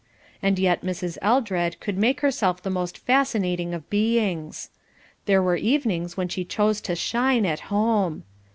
And yet Mrs. Eldred could make herself the most fascinating of beings. There were evenings when she chose to shine at home.